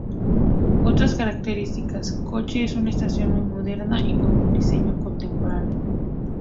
Otras características: Coche es una estación muy moderna y con un diseño contemporáneo.